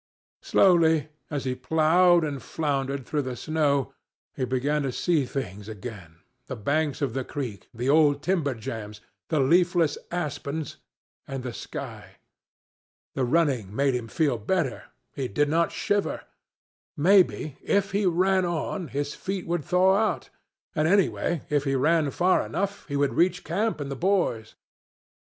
Slowly, as he ploughed and floundered through the snow, he began to see things again—the banks of the creek, the old timber jams, the leafless aspens, and the sky. The running made him feel better. He did not shiver. Maybe, if he ran on, his feet would thaw out; and, anyway, if he ran far enough, he would reach camp and the boys.